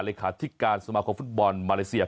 เลขาธิการสมาคมฟุตบอลมาเลเซีย